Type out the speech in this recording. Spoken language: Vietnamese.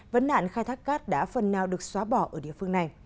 vấn nạn khai thác cát đã phần nào được xóa bỏ ở địa phương này